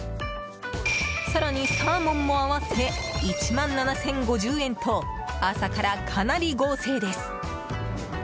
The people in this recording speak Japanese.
更にサーモンも合わせ１万７０５０円と朝から、かなり豪勢です。